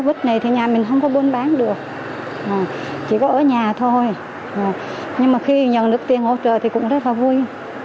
khi mà bị covid này thì nhà mình không có buôn bán được chỉ có ở nhà thôi nhưng mà khi nhận được tiền hỗ trợ thì cũng rất là vui